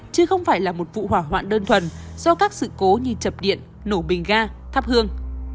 chứ không phải là một vụ hỏa hoạn đơn thuần do các sự cố như chập điện nổ bình ga thắp hương